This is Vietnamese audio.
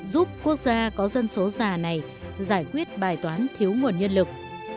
giúp quốc gia có dân số già này giải quyết bài toán thiếu nguồn nhân lực